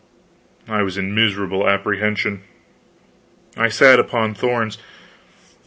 I was in miserable apprehension; I sat upon thorns.